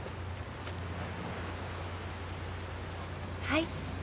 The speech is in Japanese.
はい。